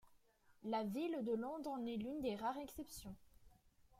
La ville de Londres en est l'une des rares exceptions.